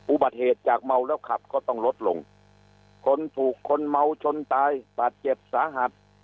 อุบัติเหตุจากเมาแล้วขับก็ต้องลดลงคนถูกคนเมาชนตายบาดเจ็บสาหัส